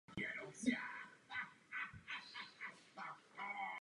Autory popisu byl dokonce označen jako "gepard doby křídové".